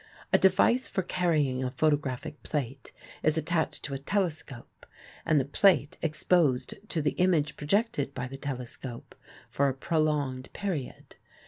A device for carrying a photographic plate is attached to a telescope and the plate exposed to the image projected by the telescope for a prolonged period.